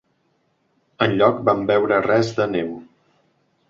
Enlloc vam veure res de neu.